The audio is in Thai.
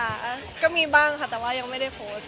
ก็มีบ้างค่ะแต่ว่ายังไม่ได้โพสต์